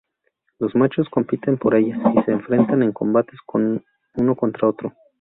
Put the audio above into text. Los machos compiten por ellas y se enfrentan en combates uno contra otro.